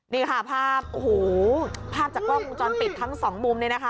นี่ค่ะภาพโอ้โหภาพจากกล้องวงจรปิดทั้งสองมุมเนี่ยนะคะ